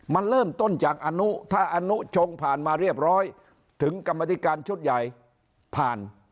มันเริ่มต้นจากอนุถ้าอนุชงผ่านมาเรียบร้อยถึงกรรมธิการชุดใหญ่ผ่าน